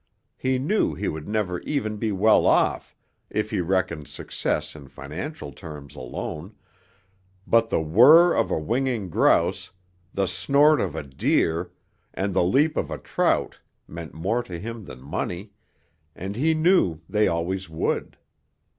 He knew he would never even be well off if he reckoned success in financial terms alone, but the whirr of a winging grouse, the snort of a deer and the leap of a trout meant more to him than money, and he knew they always would.